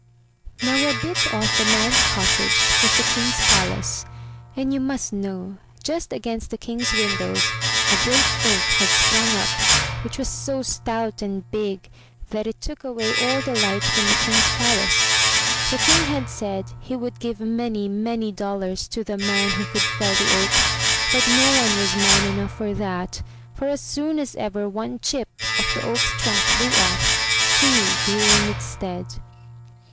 Now, a bit off the man's cottage was the King's palace, and you must know, just against the King's windows a great oak had sprung up, which was so stout and big that it took away all the light from the King's palace. The King had said he would give many, many dollars to the man who could fell the oak, but no one was man enough for that, for as soon as ever one chip of the oak's trunk flew off, two grew in its stead.